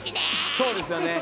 そうですよね。